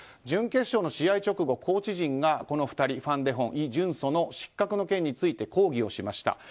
準決勝の試合直後、コーチ陣がこの２人ファン・デホン、イ・ジュンソの件について抗議をしました。